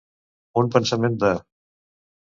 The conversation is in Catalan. Un pensament de.